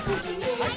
はい。